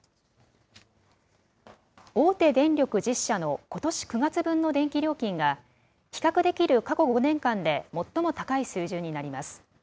大手電力１０社のことし９月分の電気料金が、比較できる過去５年間で最も高い水準になります。